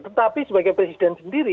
tetapi sebagai presiden sendiri